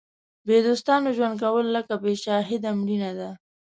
بې دوستانو ژوند کول لکه بې شاهده مړینه ده.